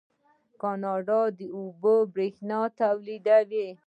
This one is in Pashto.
کاناډا د اوبو بریښنا تولیدوي.